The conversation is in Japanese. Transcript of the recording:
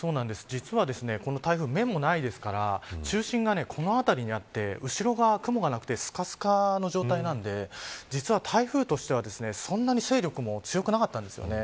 実はこの台風、目もないですから中心がこの辺りにあって後ろが雲がなくてすかすかの状態なんで実は台風としては、そんなに勢力も強くなかったんですよね。